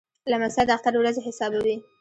لمسی د اختر ورځې حسابوي.